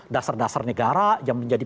dasar dasar negara yang menjadi